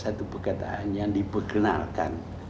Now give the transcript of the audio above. satu perkataan yang diperkenalkan